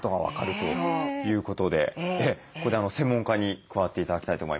いうことでここで専門家に加わって頂きたいと思います。